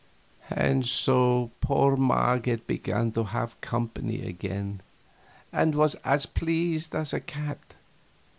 And so poor Marget began to have company again, and was as pleased as a cat.